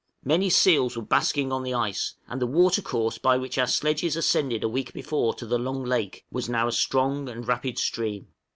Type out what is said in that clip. Many seals were basking on the ice, and the watercourse by which our sledges ascended a week before to the Long Lake was now a strong and rapid stream.